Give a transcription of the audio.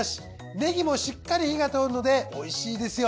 ネギもしっかり火が通るので美味しいですよ。